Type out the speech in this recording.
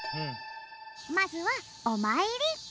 まずはおまいり。